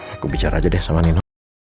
aku bicara aja deh sama nino